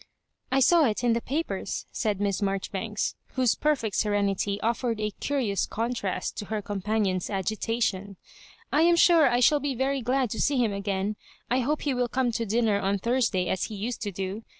" I saw it in the papers," said Miss Marjori banks, whose perfect serenity offered a curious contrast to her companion's agitation. "I am sure I shall be very glad to see him again. I hope he will come to dinner on Thursday as he used to do.